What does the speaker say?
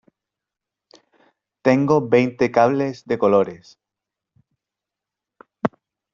tengo veinte cables de colores